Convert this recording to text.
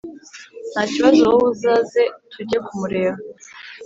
Ntakibazo wowe uzaze tujye kumureba